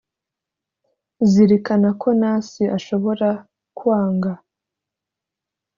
zirikana ko nasi ashobora kwanga